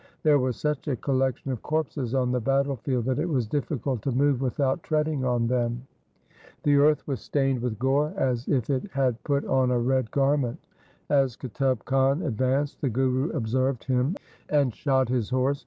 There was such a collection of corpses on the battle field that it was difficult to move without treading on them. The earth was stained with gore as if it had put on a red garment. LIFE OF GURU HAR GOBIND 211 As Qutub Khan advanced, the Guru observed him and shot his horse.